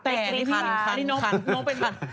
แต่นี่คันน้องเป็นคัน